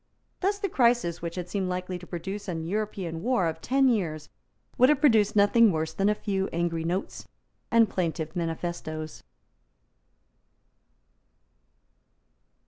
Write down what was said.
Thus the crisis which had seemed likely to produce an European war of ten years would have produced nothing worse than a few angry notes and plaintive manifestoes.